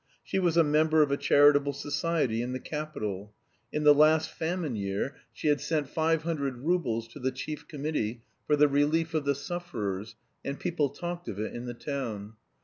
She was a member of a charitable society in the capital. In the last famine year she had sent five hundred roubles to the chief committee for the relief of the sufferers, and people talked of it in the town.